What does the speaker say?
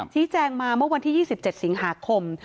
ชี้แจงมาเมื่อวันที่๒๗สิงหาคม